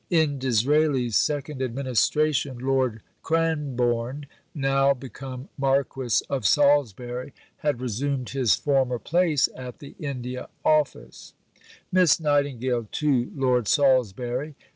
In Disraeli's second Administration Lord Cranborne (now become Marquis of Salisbury) had resumed his former place at the India Office: (_Miss Nightingale to Lord Salisbury.